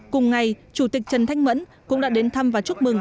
cùng ngày chủ tịch trần thanh mẫn cũng đã đến thăm và chúc mừng